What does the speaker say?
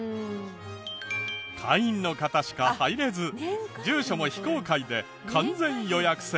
会員の方しか入れず住所も非公開で完全予約制。